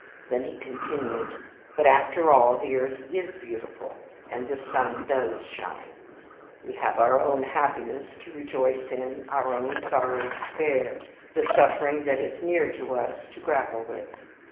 Then he continued "But, after all, the earth is beautiful, and the sun does shine: we have our own happiness to rejoice in, our own sorrows to bear, the suffering that is near to us to grapple with.